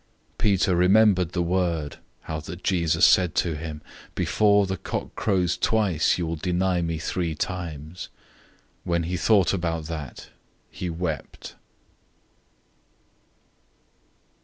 Peter remembered the word, how that Jesus said to him, "Before the rooster crows twice, you will deny me three times." When he thought about that, he wept.